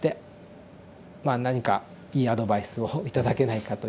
まあ何かいいアドバイスを頂けないかというですね